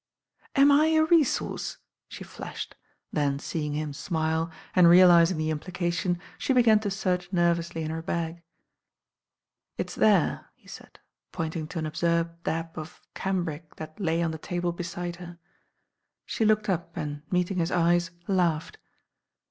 "Am I a resource?" she flashed, then seeing him smile and, realising the implication, she began to search nervously in her bag. "It's there," he said, pointing to an absurd dab of cambric that lay on the table beside her. She looked up and, meeting his eyes, laughed.